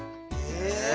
え！